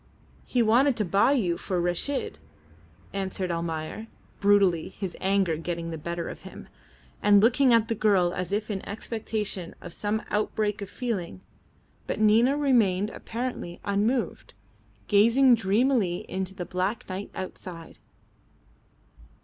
"He wanted to buy you for Reshid," answered Almayer, brutally, his anger getting the better of him, and looking at the girl as if in expectation of some outbreak of feeling. But Nina remained apparently unmoved, gazing dreamily into the black night outside.